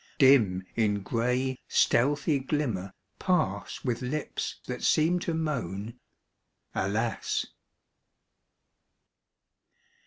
Dim in gray, stealthy glimmer, pass With lips that seem to moan "Alas."